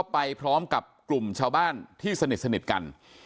ไปพร้อมกับกลุ่มชาวบ้านที่สนิทกัน